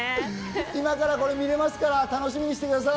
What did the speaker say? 今からこれ見れますから楽しみにしてください。